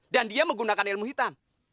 dan dia menggunakan ilmu hitam